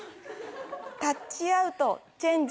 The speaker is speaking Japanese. タッチアウトチェンジ。